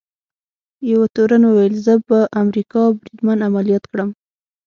یوه تورن وویل: زه به امریکايي بریدمن عملیات کړم.